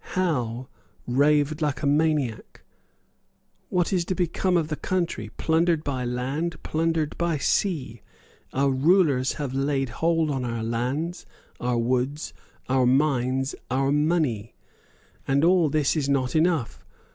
Howe raved like a maniac. "What is to become of the country, plundered by land, plundered by sea? Our rulers have laid hold on our lands, our woods, our mines, our money. And all this is not enough.